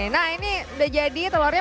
nah ini udah jadi telurnya